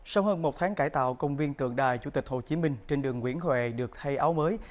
sau hơn một tháng cải tạo công viên tượng đài chủ tịch hồ chí minh trên đường nguyễn huệ được thay áo mới